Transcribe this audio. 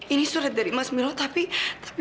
ini surat dari mas milo tapi